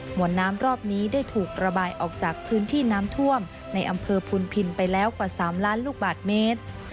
วนน้ำรอบนี้ได้ถูกระบายออกจากพื้นที่น้ำท่วมในอำเภอพูนพินไปแล้วกว่า๓ล้านลูกบาทเมตร